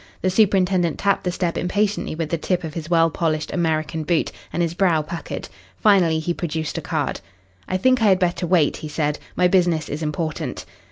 The superintendent tapped the step impatiently with the tip of his well polished American boot, and his brow puckered. Finally he produced a card. "I think I had better wait," he said. "My business is important."